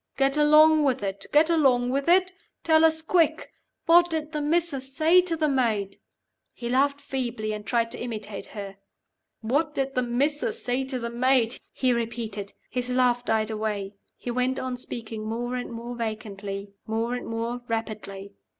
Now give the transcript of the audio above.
Get along with it! get along with it! Tell us quick what did the Missus say to the Maid?" He laughed feebly, and tried to imitate her. "'What did the Missus say to the Maid?'" he repeated. His laugh died away. He went on speaking, more and more vacantly, more and more rapidly.